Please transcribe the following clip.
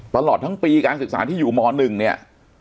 ตลอดทั้งปีการศึกษาที่อยู่ม๑เนี่ย